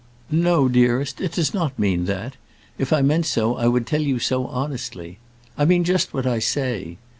"No, dearest, it does not mean that. If I meant so I would tell you so honestly. I mean just what I say.